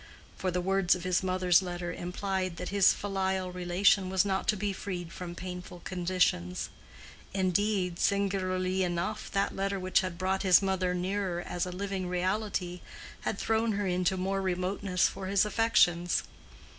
for the words of his mother's letter implied that his filial relation was not to be freed from painful conditions; indeed, singularly enough that letter which had brought his mother nearer as a living reality had thrown her into more remoteness for his affections.